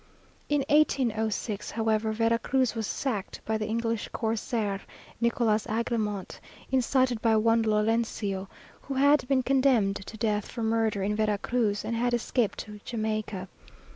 In 1806, however, Vera Cruz was sacked by the English corsair, Nicholas Agramont, incited by one Lorencillo, who had been condemned to death for murder in Vera Cruz, and had escaped to Jamaica.